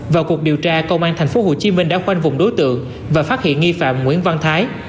vào cuộc điều tra công an tp hcm đã khoanh vùng đối tượng và phát hiện nghi phạm nguyễn văn thái